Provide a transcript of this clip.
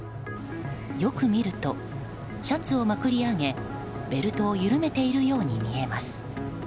よく見ると、シャツをまくり上げベルトを緩めているように見えます。